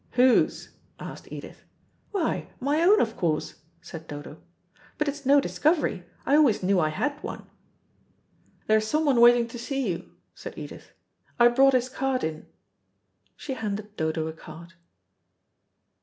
"Whose?" asked Edith. "Why, my own, of course," said Dodo; "but it's no discovery. I always knew I had one." "There's someone waiting to see you," said Edith. "I brought his card in." She handed Dodo a card.